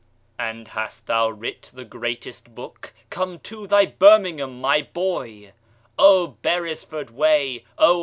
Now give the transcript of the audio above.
"And hast thou writ the greatest book? Come to thy birmingham, my boy! Oh, beresford way!